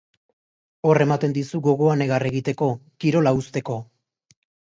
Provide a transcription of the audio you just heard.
Hor ematen dizu gogoa negar egiteko, kirola uzteko.